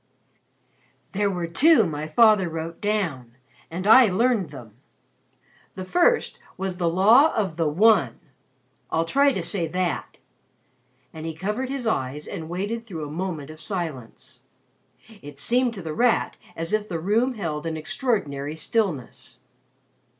"There were two my father wrote down, and I learned them. The first was the law of The One. I'll try to say that," and he covered his eyes and waited through a moment of silence. It seemed to The Rat as if the room held an extraordinary stillness.